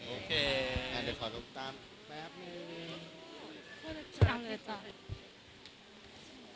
โอเค